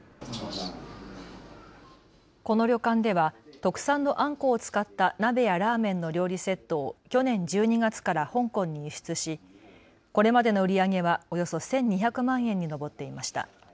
この旅館では特産のアンコウを使った鍋やラーメンの料理セットを去年１２月から香港に輸出しこれまでの売り上げはおよそ１２００万円に上っていました。